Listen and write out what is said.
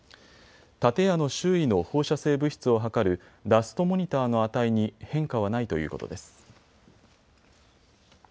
建屋の周囲の放射性物質を測るダストモニターの値に変化はないということです。